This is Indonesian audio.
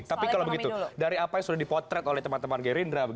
tapi kalau begitu dari apa yang sudah dipotret oleh teman teman gerindra